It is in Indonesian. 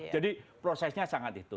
jadi prosesnya sangat itu